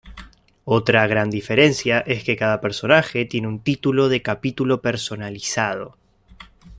Otra gran diferencia es que cada personaje tiene un título de capítulo personalizado.